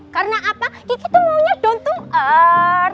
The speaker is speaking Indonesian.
karena apa kiki tuh maunya down to earth